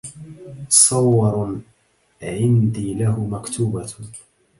سور عندي له مكتوبة